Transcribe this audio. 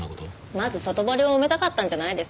まず外堀を埋めたかったんじゃないですか？